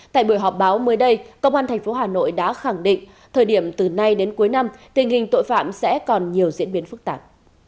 tại buổi họp báo mới đây công an tp hà nội đã khẳng định thời điểm từ nay đến cuối năm tình hình tội phạm sẽ còn nhiều diễn biến phức tạp